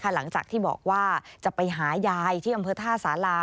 หลังจากที่บอกว่าจะไปหายายที่อำเภอท่าสารา